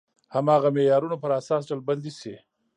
هماغه معیارونو پر اساس ډلبندي شي.